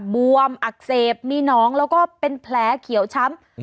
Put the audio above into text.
บวมอักเสบมีหนองแล้วก็เป็นแผลเขียวช้ำ